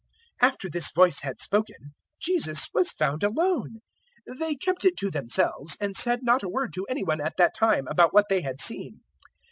009:036 After this voice had spoken, Jesus was found alone. They kept it to themselves, and said not a word to any one at that time about what they had seen.